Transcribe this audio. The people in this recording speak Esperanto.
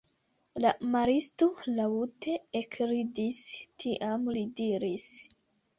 La maristo laŭte ekridis, tiam li diris: